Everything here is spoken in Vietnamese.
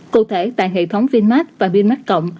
cụ thể tại hệ thống vinmax và vinmax cộng